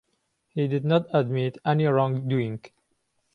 He did not admit any wrongdoing.